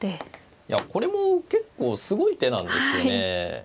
いやこれも結構すごい手なんですよね。